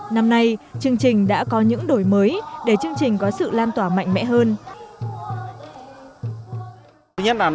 năm nay chương trình đã có những đổi mới để chương trình có sự lan tỏa mạnh mẽ hơn